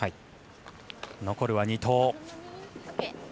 残るは２投。